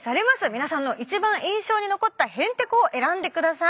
皆さんの一番印象に残ったへんてこを選んでください。